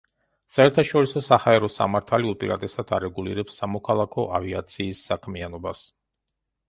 საერთაშორისო საჰაერო სამართალი უპირატესად არეგულირებს სამოქალაქო ავიაციის საქმიანობას.